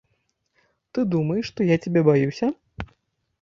Ты думаеш, што я цябе баюся!